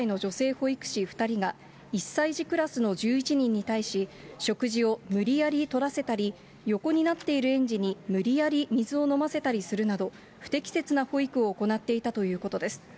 保育士２人が、１歳児クラスの１１人に対し、食事を無理やりとらせたり、横になっている園児に無理やり水を飲ませたりするなど、不適切な保育を行っていたということです。